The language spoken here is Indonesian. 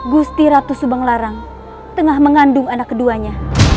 gusti ratu subanglarang tengah mengandung anak keduanya